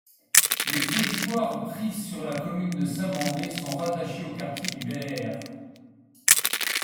Les territoires pris sur la commune de Saint-Mandé sont rattachés au quartier du Bel-Air.